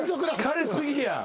疲れ過ぎやん。